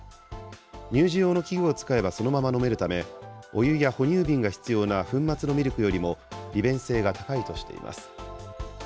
乳児用の器具を使えば、そのまま飲めるため、お湯や哺乳瓶が必要な粉末のミルクよりも利便性が高いとしています。